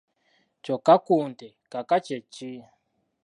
Kyokka ku nte kaka kye ki?